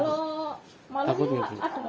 kalau kesel kalau tidak lepas hujan